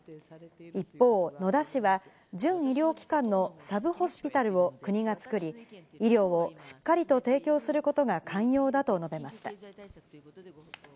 一方、野田氏は、準医療機関のサブホスピタルを国が作り、医療をしっかりと提供することが肝要だと述べました。